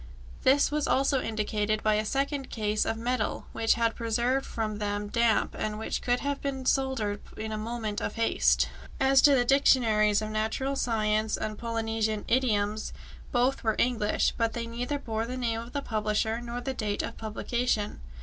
This was also indicated by a second case of metal which had preserved them from damp, and which could not have been soldered in a moment of haste. As to the dictionaries of natural science and Polynesian idioms, both were English, but they neither bore the name of the publisher nor the date of publication.